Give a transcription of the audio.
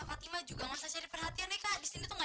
kita mau ke tempat yang lebih sakit aja